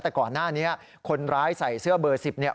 แต่ก่อนหน้านี้คนร้ายใส่เสื้อเบอร์๑๐เนี่ย